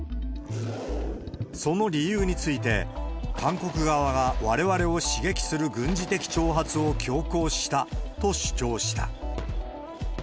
その理由について、韓国側がわれわれを刺激する軍事的挑発を強行したと主張した。